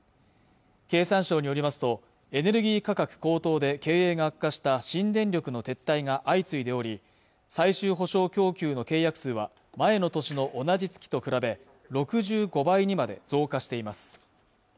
経産省によりますとエネルギー価格高騰で経営が悪化した新電力の撤退が相次いでおり最終保障供給の契約数は前の年の同じ月と比べ６５倍にまで増加しています